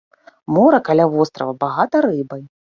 Мора каля вострава багата рыбай.